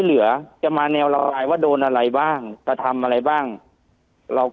เหลือจะมาแนวละอายว่าโดนอะไรบ้างกระทำอะไรบ้างเราก็